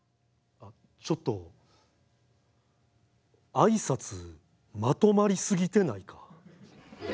あっちょっと挨拶まとまり過ぎてないか？